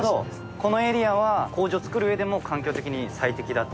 このエリアは糀を作るうえでも環境的に最適だと。